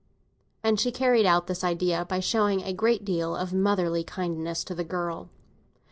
And she carried out this idea by showing a great deal of motherly kindness to the girl.